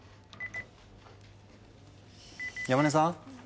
山根さん？